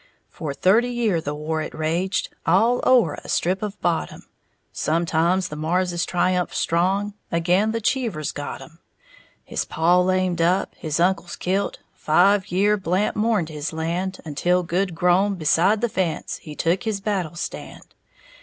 For thirty year' the war it raged All o'er a strip of bottom. Sometimes the Marrses triumphed strong, Again, the Cheevers got 'em. His paw lamed up, his uncles kilt, Five year' Blant mourned his land, Until, good grown, beside the fence He took his battle stand.